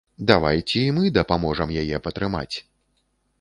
Давайце і мы дапаможам яе патрымаць!